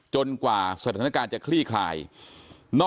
จนกว่าสถานการณ์จะคลี่คลายนอกจากนี้นะครับ